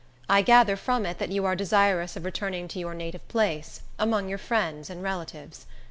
I gather from it that you are desirous of returning to your native place, among your friends and relatives.